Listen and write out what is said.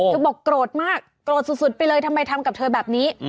บอกโกรธมากโกรธสุดไปเลยทำไมทำกับเธอแบบนี้